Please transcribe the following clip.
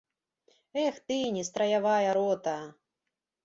Эх ты, нестраявая рота!